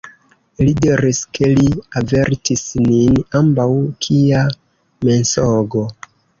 Li diris, ke li avertis nin ambaŭ: kia mensogo!